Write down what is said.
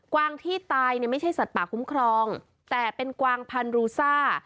วางที่ตายเนี่ยไม่ใช่สัตว์ป่าคุ้มครองแต่เป็นกวางพันรูซ่า